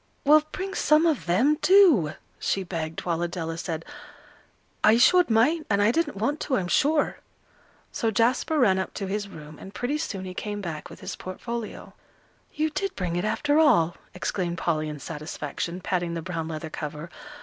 "Well, bring some of them, do," she begged, while Adela said, "I showed mine, and I didn't want to, I'm sure." So Jasper ran up to his room, and pretty soon he came back with his portfolio. "You did bring it, after all," exclaimed Polly, in satisfaction, patting the brown leather cover.